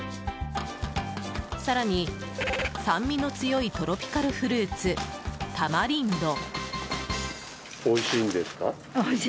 更に、酸味の強いトロピカルフルーツ、タマリンド。